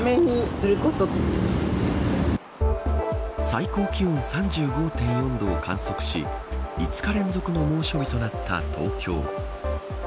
最高気温３５．４度を観測し５日連続の猛暑日となった東京。